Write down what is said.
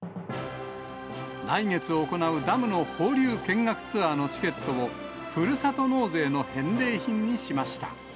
来月行うダムの放流見学ツアーのチケットを、ふるさと納税の返礼品にしました。